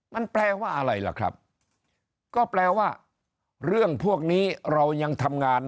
มันแปลว่าอะไรล่ะครับก็แปลว่าเรื่องพวกนี้เรายังทำงาน